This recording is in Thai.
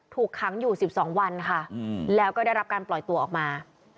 ถูกขังอยู่๑๒วันค่ะแล้วก็ได้รับการปล่อยตัวออกมา